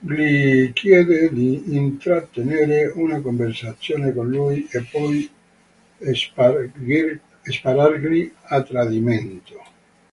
Gli chiede di intrattenere una conversazione con lui e poi sparargli a tradimento.